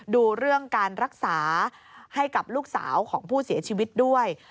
ดูเรื่องการรักษาให้กับลูกสาวของผู้เสียชีวิตด้วย